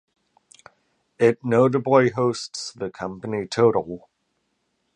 It notably hosts the company Total.